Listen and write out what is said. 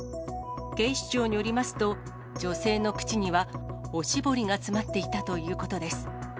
警視庁によりますと、女性の口には、おしぼりが詰まっていたということです。